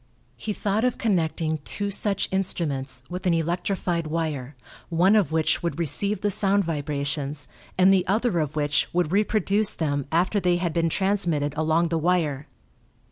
He thought of connecting two such instruments with an electrified wire, one of which would receive the sound vibrations and the other of which would reproduce them after they had been transmitted along the wire.